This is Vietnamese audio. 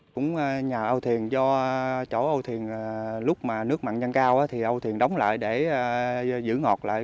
cũng nhà âu thuyền do chỗ âu thuyền lúc mà nước mặn nhân cao thì âu thuyền đóng lại để giữ ngọt lại